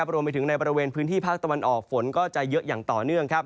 รวมไปถึงในบริเวณพื้นที่ภาคตะวันออกฝนก็จะเยอะอย่างต่อเนื่อง